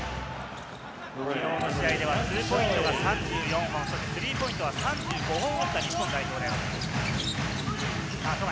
この試合ではツーポイントが３４本、スリーポイントは３５本を打った日本代表です。